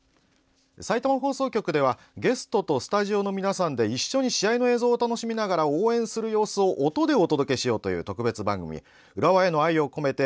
さいたま放送局ではゲストとスタジオの皆さんで一緒に試合の映像を楽しみながら音でお届けしようという特別番組「浦和への愛をこめて！